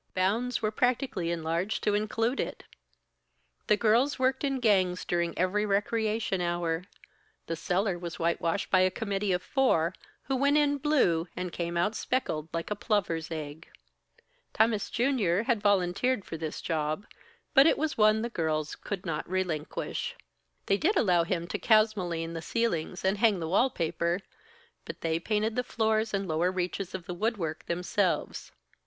Bounds were practically enlarged to include it. The girls worked in gangs during every recreation hour. The cellar was whitewashed by a committee of four, who went in blue, and came out speckled like a plover's egg. Tammas Junior had volunteered for this job, but it was one the girls could not relinquish. They did allow him to kalsomine the ceilings and hang the wall paper; but they painted the floors and lower reaches of woodwork themselves.